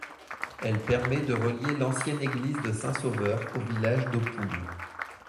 Elle permet de relier l’ancienne église de Saint Sauveur au village d’Hautpoul.